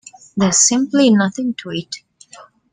There's simply nothing to it.